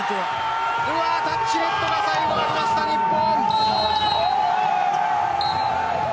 タッチネットがありました日本。